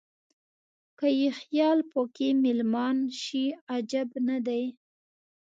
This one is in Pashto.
که یې خیال په کې مېلمان شي عجب نه دی.